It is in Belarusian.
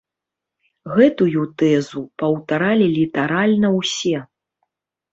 Гэтую тэзу паўтаралі літаральна ўсе.